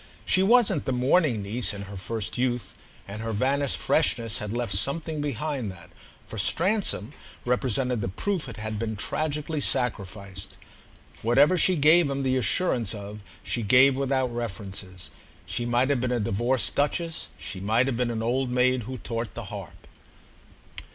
She wasn't, the mourning niece, in her first youth, and her vanished freshness had left something behind that, for Stransom, represented the proof it had been tragically sacrificed. Whatever she gave him the assurance of she gave without references. She might have been a divorced duchess—she might have been an old maid who taught the harp.